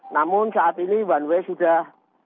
namun saat ini one way sudah